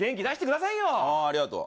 ありがとう。